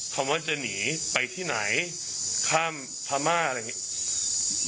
คำว่าจะหนีไปที่ไหนข้ามพม่าอะไรอย่างนี้